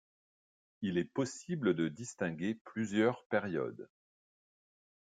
Il est possible de distinguer plusieurs périodes.